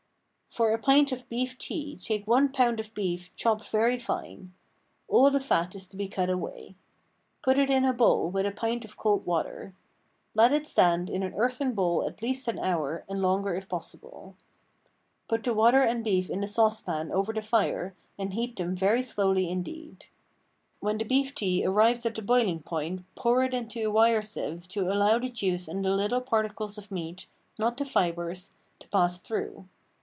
For a pint of beef tea take one pound of beef chopped very fine. All the fat is to be cut away. Put it in a bowl with a pint of cold water. Let it stand in an earthen bowl at least an hour, and longer if possible. Put the water and beef in the sauce pan over the fire, and heat them very slowly indeed. When the beef tea arrives at the boiling point pour it into a wire sieve to allow the juice and the little particles of meat not the fibres to pass through.